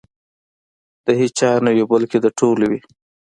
د هیچا نه وي بلکې د ټولو وي.